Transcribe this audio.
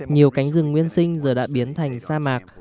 nhiều cánh rừng nguyên sinh giờ đã biến thành sa mạc